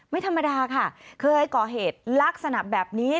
ไม่ธรรมดาค่ะเคยก่อเหตุลักษณะแบบนี้